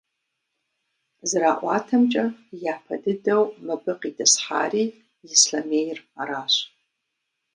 ЗэраӀуатэмкӀэ, япэ дыдэу мыбы къитӀысхьари Ислъэмейр аращ.